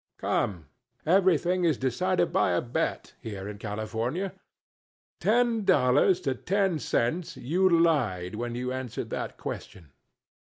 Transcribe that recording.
Come everything is decided by a bet here in California: ten dollars to ten cents you lied when you answered that question."